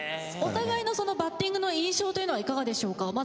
お互いのバッティングの印象というのはいかがでしょうか？